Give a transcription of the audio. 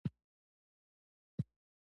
د خولې د افت لپاره د څه شي پوستکی جوش کړم؟